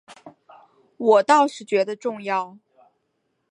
我倒是觉得重要